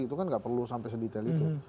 itu kan nggak perlu sampai sedetail itu